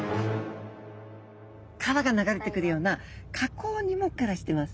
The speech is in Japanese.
川が流れてくるような河口にも暮らしてます。